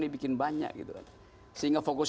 dibikin banyak gitu kan sehingga fokus